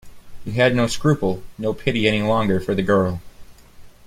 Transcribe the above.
He had no scruple, no pity any longer for the girl.